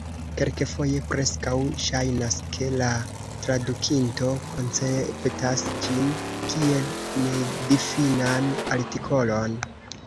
Kelkfoje preskaŭ ŝajnas, ke la tradukinto konceptas ĝin kiel nedifinan artikolon.